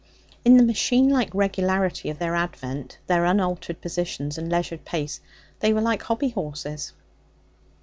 In the machine like regularity of their advent, their unaltered positions, and leisured pace, they were like hobby horses.